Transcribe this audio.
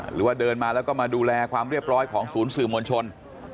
หรือว่าเดินมาแล้วก็มาดูแลความเรียบร้อยของศูนย์สื่อมวลชน